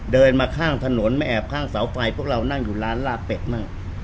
เดินมาข้างถนนมาแอบข้างเสาไฟพวกเรานั่งอยู่ร้านลาบเป็ดมั่ง